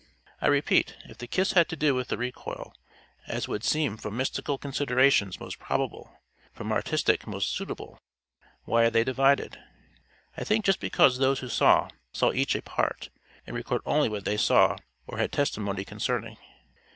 I repeat if the kiss had to do with the recoil as would seem from mystical considerations most probable, from artistic most suitable why are they divided? I think just because those who saw, saw each a part, and record only what they saw or had testimony concerning.